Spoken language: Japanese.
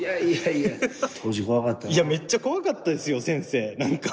いやめっちゃ怖かったですよ先生なんか。